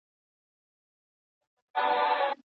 له خلوته توبه ګار سي لا به ښه سي